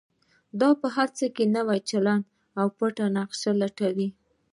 دا په هر څه کې نوی چلند او پټ نقشونه لټوي.